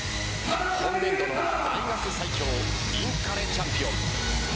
今年度、大学最強インカレチャンピオン。